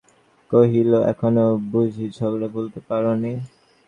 কহিল, এখনো বুঝি ঝগড়া ভুলতে পারো নি?